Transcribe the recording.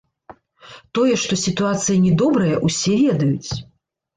Тое, што сітуацыя не добрая, усе ведаюць.